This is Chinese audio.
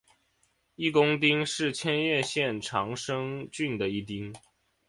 一宫町是千叶县长生郡的一町。